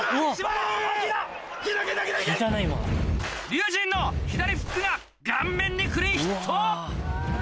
龍心の左フックが顔面にクリーンヒット！